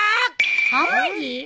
はまじ？